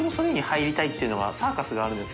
サーカスがあるんです